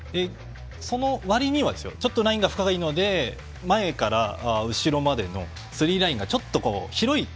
そのわりには、ちょっとラインが深いので前から後ろまでのスリーラインがちょっと広い。